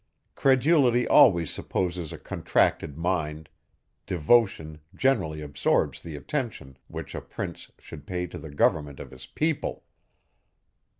Credulity always supposes a contracted mind; devotion generally absorbs the attention, which a prince should pay to the government of his people.